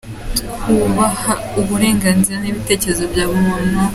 Twubaha uburenganzira n’ibitekerezo bya buri muntu.